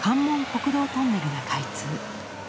国道トンネルが開通。